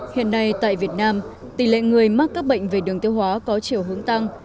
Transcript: hiện nay tại việt nam tỷ lệ người mắc các bệnh về đường tiêu hóa có chiều hướng tăng